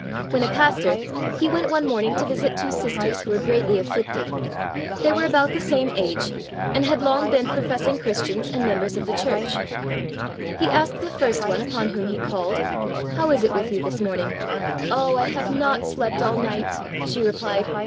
When a pastor he went one morning to visit two sisters who were greatly afflicted. They were about the same age, and had long been professing Christians and members of the Church. He asked the first one upon whom he called, "How is it with you this morning?" "Oh, I have not slept all night," she replied.